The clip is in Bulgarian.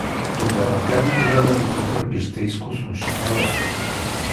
— Тогава как можа да ми закърпиш тъй изкусно шинела?